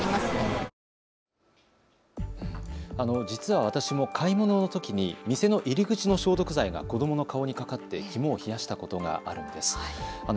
実は私も買い物のときに店の入り口の消毒剤が子どもの顔にかかって肝を冷やしたことがあるんです。